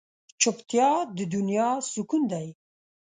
چوپتیا، د دنیا سکون دی.